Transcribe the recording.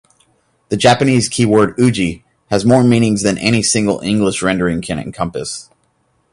The Japanese keyword "uji" has more meanings than any single English rendering can encompass.